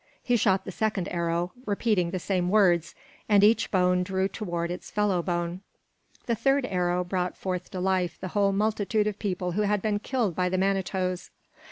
He shot the second arrow, repeating the same words, and each bone drew toward its fellow bone. The third arrow brought forth to life the whole multitude of people who had been killed by the Manitoes.